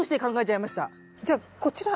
じゃあこちら。